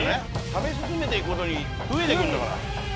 食べ進めていくごとに増えていくんだから。